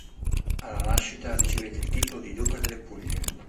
Alla nascita ricevette il titolo di duca delle Puglie.